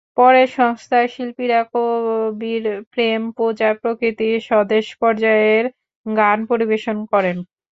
পরে সংস্থার শিল্পীরা কবির প্রেম-পূজা, প্রকৃতি, স্বদেশ পর্যায়ের গান পরিবেশন করেন।